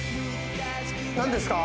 何ですか？